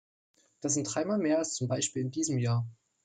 Das sind dreimal mehr als zum Beispiel in diesem Jahr.